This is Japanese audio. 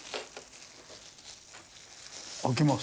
開きます。